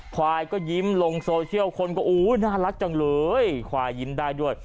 ควายก็ยิ้มลงโซเชียลคนก็อุ้ยน่ารักจังเลยควายยิ้มได้ด้วย